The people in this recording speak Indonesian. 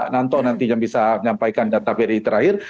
nanto nanti bisa menyampaikan data perih terakhir